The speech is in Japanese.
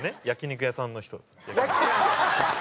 焼肉屋さんの人。